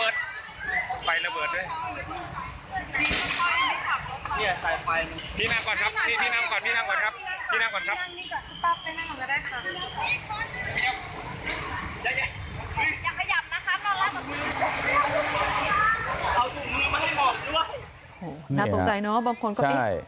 น่าตกใจเนอะบางคนก็ไม่ใช่